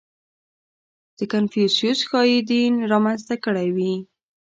• کنفوسیوس ښایي دین را منځته کړی وي.